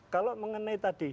kalau mengenai tadi